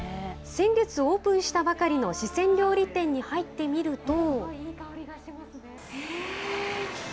先月オープンしたばかりの四川料理店に入ってみると。